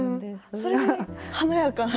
それで華やかな。